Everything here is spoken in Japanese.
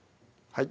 はい